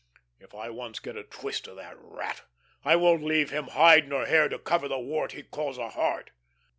If I once get a twist of that rat, I won't leave him hide nor hair to cover the wart he calls his heart."